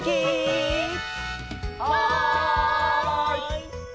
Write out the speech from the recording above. はい！